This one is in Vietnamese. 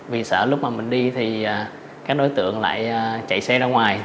vì sợ lúc mà mình đi thì các đối tượng lại chạy xe ra ngoài